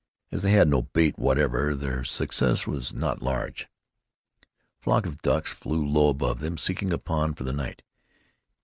As they had no bait whatever, their success was not large. A flock of ducks flew low above them, seeking a pond for the night.